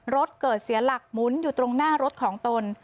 รถเกิดเสียหลักหมุนอยู่ตรงหน้ารถของตน